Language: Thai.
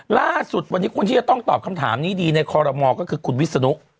ล่าสุดวันนี้คุณที่จะต้องตอบคำถามนี้ดีในคอรมอลก็คือคุณวิศนุ